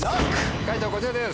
解答こちらです。